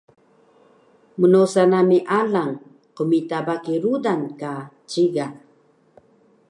Mnosa nami alang qmita baki rudan ka ciga